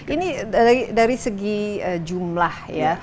ini dari segi jumlah ya